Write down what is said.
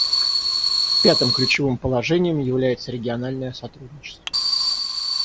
Пятым ключевым положением является региональное сотрудничество.